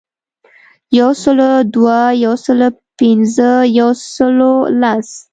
یو سلو دوه، یو سلو پنځه ،یو سلو لس .